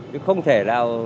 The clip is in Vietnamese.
chứ không thể nào